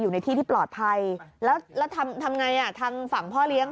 อยู่ในที่ที่ปลอดภัยแล้วแล้วทำไงอ่ะทางฝั่งพ่อเลี้ยง